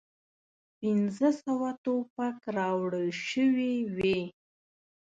پنځه سوه توپک راوړل سوي وې.